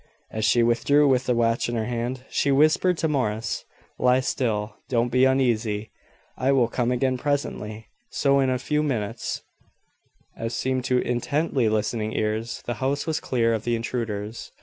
As she withdrew with the watch in her hand, she whispered to Morris: "Lie still. Don't be uneasy. I will come again presently." So, in a few minutes, as seemed to intently listening ears, the house was clear of the intruders.